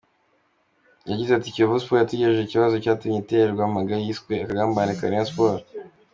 Yagize ati “Kiyovu Sports yatugejejeho ikibazo cyatumye iterwa mpaga yise akagambane ka Rayon Sports.